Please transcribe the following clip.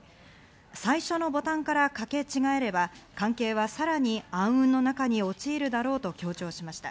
最初のボタンから掛け違えれば、関係はさらに暗雲の中に陥るだろうと強調しました。